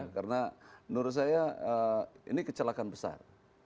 karena menurut saya ini kecelakaan besar